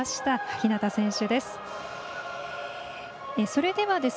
日向選手です。